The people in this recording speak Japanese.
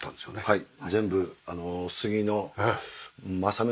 はい。